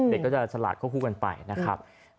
เด็กก็จะฉลาดควบคู่กันไปนะครับ